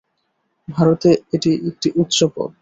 ভারতে এটি একটি উচ্চ পদ।